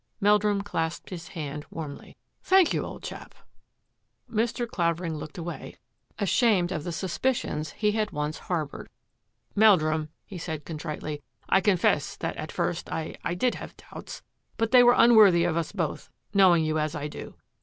Meldrum clasped his hand warmly. " Thank you, old chap !'* Mr. Clavering looked away, ashamed of the sus picions he had once harboured. " Meldrum," he said contritely,. " I confess that at first I — I did have doubts, but they were un worthy of us both, knowing you as I do.